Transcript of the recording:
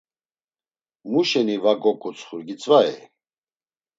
Mu şeni va goǩutsxur gitzvai?